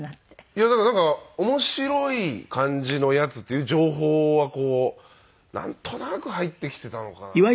いやだからなんか面白い感じのヤツっていう情報はなんとなく入ってきてたのかなっていう。